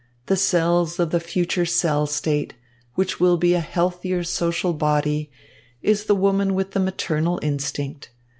The cells of the future cell state, which will be a healthier social body, is the woman with the maternal instinct.